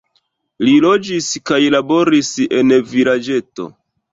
Li loĝis kaj laboris en vilaĝeto.